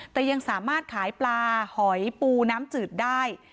แต่ยังสามารถขายปลาหอยปูน้ำจืดได้